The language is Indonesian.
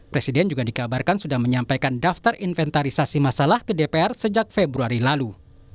presiden juga dikabarkan sudah menyampaikan daftar inventarisasi masalah ke dpr sejak februari lalu